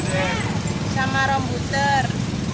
bisa marom buter